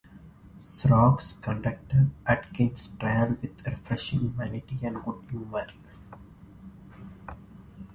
Scroggs conducted Atkins's trial with refreshing humanity and good humour.